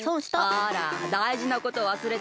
あらだいじなことわすれてない？